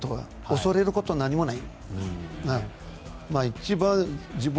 恐れることは何もない。